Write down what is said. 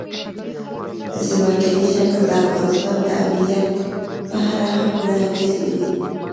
ځمکنی شکل د افغانستان د امنیت په اړه هم پوره اغېز لري.